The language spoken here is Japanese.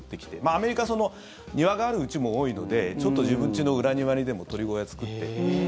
アメリカは庭があるうちも多いのでちょっと自分ちの裏庭にでも鳥小屋作って。